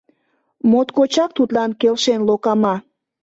Моткочак тудлан келшен локама